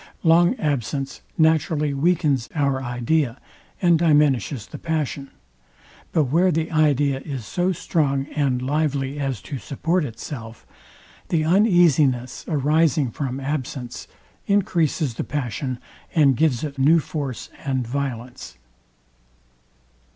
Long absence naturally weakens our idea, and diminishes the passion: But where the idea is so strong and lively as to support itself, the uneasiness, arising from absence, encreases the passion and gives it new force and violence.